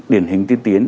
điển hình tiên tiến